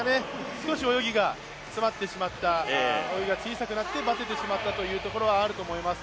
少し泳ぎが詰まってしまった泳ぎが小さくなってバテてしまったというところはあると思います。